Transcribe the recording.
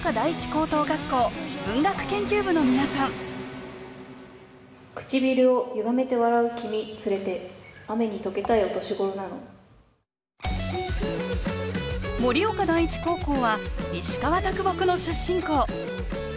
高等学校文学研究部の皆さん盛岡第一高校は石川木の出身校。